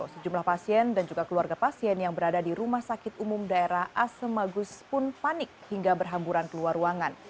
sejumlah pasien dan juga keluarga pasien yang berada di rumah sakit umum daerah asemagus pun panik hingga berhamburan keluar ruangan